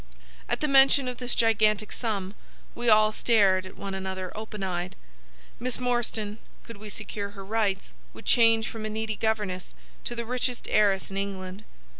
At the mention of this gigantic sum we all stared at one another open eyed. Miss Morstan, could we secure her rights, would change from a needy governess to the richest heiress in England.